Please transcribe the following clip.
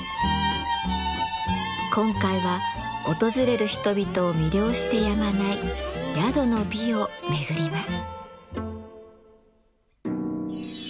今回は訪れる人々を魅了してやまない宿の美を巡ります。